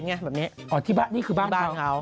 ใช่พี่ปุ๊ก